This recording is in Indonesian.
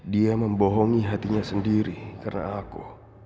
dia membohongi hatinya sendiri karena aku